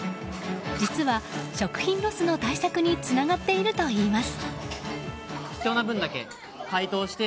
実は食品ロスの対策につながっているといいます。